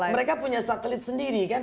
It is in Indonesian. mereka punya satelit sendiri kan